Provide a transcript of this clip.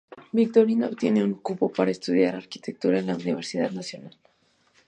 Victorino obtiene un cupo para estudiar arquitectura en la Universidad Nacional.